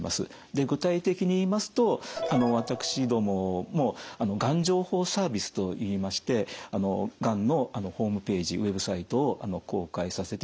具体的に言いますと私どももがん情報サービスといいましてがんのホームページＷＥＢサイトを公開させていただいております。